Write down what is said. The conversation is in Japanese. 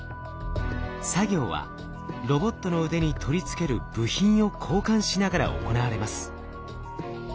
作業はロボットの腕に取り付ける部品を交換しながら行われます。